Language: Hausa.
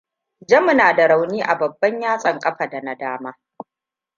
Jami tana da rauni a babban yatsun kafada na dama.